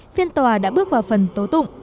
phiên tòa đã bước vào phần tố tụng